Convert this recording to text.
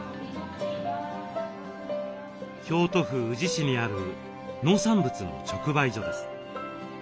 京都府宇治市にある農産物の直売所です。